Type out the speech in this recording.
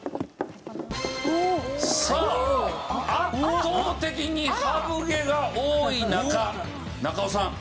さあ圧倒的にハブ毛が多い中中尾さん